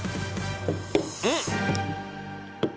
うん？